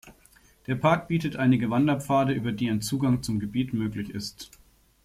Der Park bietet einige Wanderpfade über die ein Zugang zum Gebiet möglich ist.